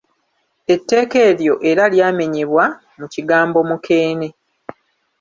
Etteeka eryo era lyamenyebwa mu kigambo ‘mukeene.’